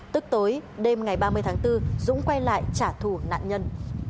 tức tối đêm ngày ba mươi tháng bốn dũng quay lại trả thù nạn nhân